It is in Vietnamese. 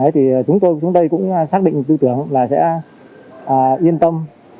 thì chúng tôi cũng xác định tư tưởng là sẽ yên tâm